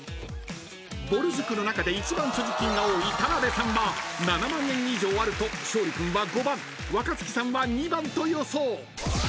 ［ぼる塾の中で一番所持金が多い田辺さんは７万円以上あると勝利君は５番若槻さんは２番と予想］